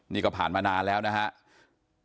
นี่ก็ผ่านมานานแล้วนะครับ